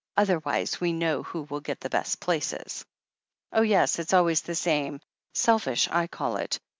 Otherwise, we know who will get the best places." "Oh, yes, it's always the same. Selfish I call it.